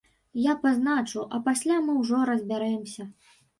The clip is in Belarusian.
Я пазначу, а пасля мы ўжо разбярэмся.